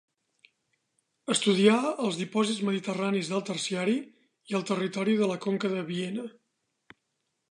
Estudià els dipòsits mediterranis del Terciari i el territori de la Conca de Viena.